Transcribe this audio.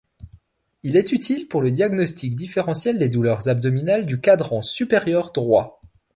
Il est utile pour le diagnostic différentiel des douleurs abdominales du quadrant supérieur droit.